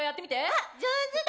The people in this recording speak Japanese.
あっ上手だ。